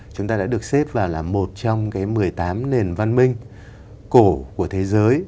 chúng ta đã được xếp vào là một trong cái một mươi tám nền văn minh cổ của thế giới